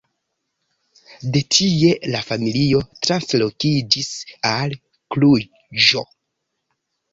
De tie la familio translokiĝis al Kluĵo.